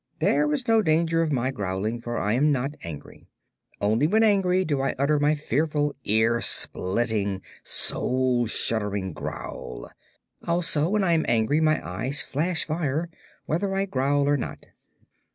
"There is no danger of my growling, for I am not angry. Only when angry do I utter my fearful, ear splitting, soul shuddering growl. Also, when I am angry, my eyes flash fire, whether I growl or not."